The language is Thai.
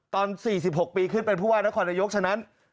ตอน๔๖ปีขึ้นเป็นผู้ว่านนักขวัญนายุกษ์ฉะนั้น